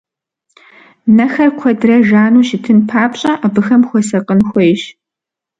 Нэхэр куэдрэ жану щытын папщӀэ, абыхэм хуэсакъын хуейщ.